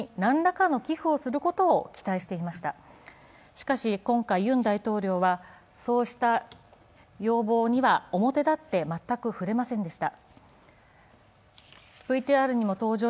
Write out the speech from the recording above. しかし、今回ユン大統領はそうした要望には表立って全く触れませんでした。